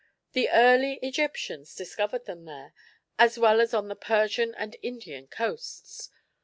The early Egyptians discovered them there, as well as on the Persian and Indian coasts.